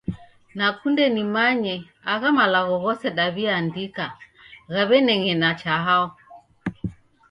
Nakunde nimanye agha malagho ghose daw'iaandika ghaw'ineng'ena cha hao?